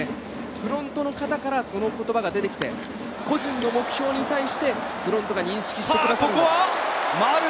フロントの方からその言葉が出てきて個人の目標に対してフロントが認識してくださっている。